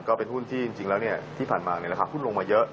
ก็เป็นหุ้นที่จริงแล้วที่ผ่านมาราคาหุ้นลงมาเยอะ